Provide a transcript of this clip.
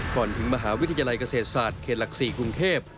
ก่อนถึงมหาวิทยาลัยเกษตรศาสตร์เขตหลัก๔กรุงเทพ